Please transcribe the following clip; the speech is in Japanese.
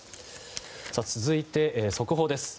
続いて、速報です。